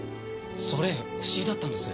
それ不思議だったんです。